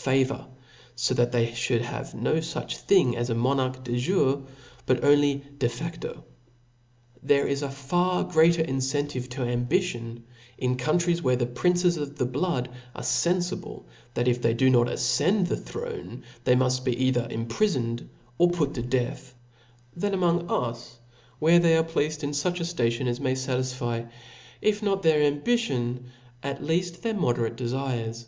* ifavour; fo that they have, no fuch thing as a mo narch de jure^ but only de faSo, There is far a greater incentive U> ambition in countries, where the princes of the blood are fenfi ^• ble, that if they do not afcend the throne, they muft be either imprifoncd or put to death, than amongft us, wherp they are placed in fuch a ftation, as may fatisfy, if not their ambition, at leaft their ' moderate delires.